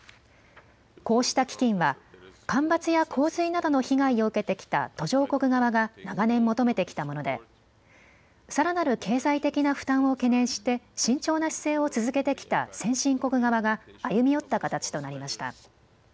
こうした基金は干ばつや洪水などの被害を受けてきた途上国側が長年、求めてきたものでさらなる経済的な負担を懸念して慎重な姿勢を続けてきた先進国側が歩み寄った形となりました。